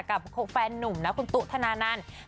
กับแฟนนุ่มนะคุณตุ๊ธนานันต์